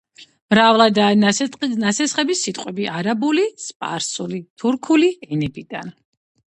მრავლადაა ნასესხები სიტყვები არაბული, სპარსული, თურქული ენებიდან.